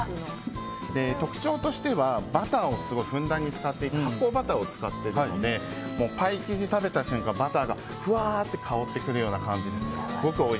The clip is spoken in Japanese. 特徴としてはバターをふんだんに使っていて発酵バターを使っているのでパイ生地を食べた瞬間バターがふわっとかおる感じです。